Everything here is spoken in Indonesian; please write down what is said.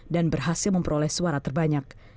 dan berhasil memperoleh suara terbanyak